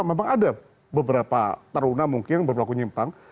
memang ada beberapa taruna mungkin yang berlaku nyimpang